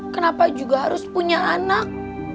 kenapa juga harus punya anak